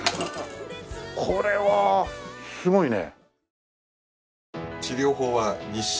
これはすごいね。